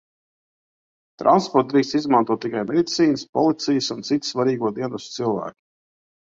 Transportu drīkst izmantot tikai medicīnas, policijas un citi svarīgo dienestu cilvēki.